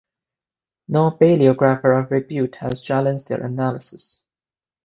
No paleographer of repute has challenged their analysis.